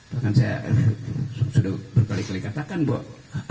bahkan saya sudah berbalik balik katakan bahwa